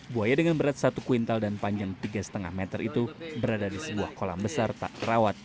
buaya dengan berat satu kuintal dan panjang tiga lima meter itu berada di sebuah kolam besar tak terawat